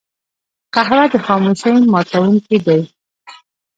قهوه د خاموشۍ ماتونکی دی